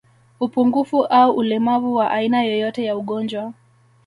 Upungufu au ulemavu wa aina yoyote ya ugonjwa